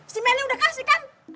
si melly udah kasih kan